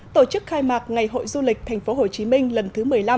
tổ chức khai mạc ngày hội du lịch tp hcm lần thứ một mươi năm